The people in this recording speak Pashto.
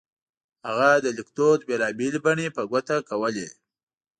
هغه د لیکدود بېلا بېلې بڼې په ګوته کولې.